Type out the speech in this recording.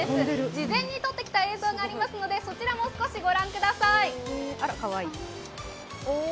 事前に撮ってきた映像がありますので、そちらも少しご覧ください。